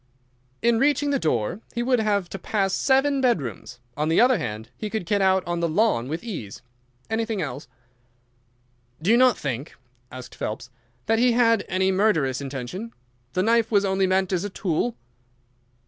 "In reaching the door he would have to pass seven bedrooms. On the other hand, he could get out on to the lawn with ease. Anything else?" "You do not think," asked Phelps, "that he had any murderous intention? The knife was only meant as a tool."